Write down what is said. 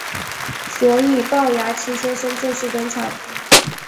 所以暴牙七先生正式登场。